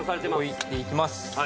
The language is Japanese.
置いていきます。